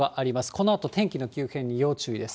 このあと天気の急変に要注意です。